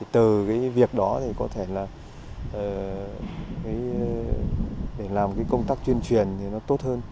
từ cái việc đó thì có thể là để làm cái công tác tuyên truyền thì nó tốt hơn